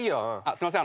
すいません。